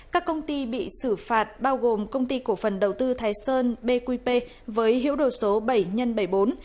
các công ty bị xử phạt bao gồm công ty cổ phần đầu tư thái sơn bqp với hữu đồ số bảy x bảy mươi bốn